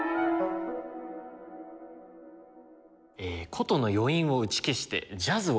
箏の余韻を打ち消してジャズを演奏。